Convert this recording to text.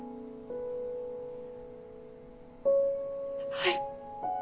はい。